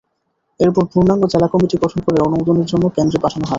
এরপর পূর্ণাঙ্গ জেলা কমিটি গঠন করে অনুমোদনের জন্য কেন্দ্রে পাঠানো হয়।